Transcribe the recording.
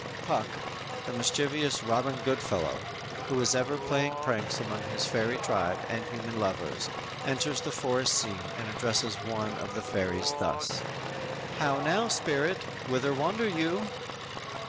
"_ Puck, the mischievous Robin Goodfellow, who is ever playing pranks among his fairy tribe and human lovers, enters the forest scene and addresses one of the fairies thus: _"How now, spirit, whither wander you?"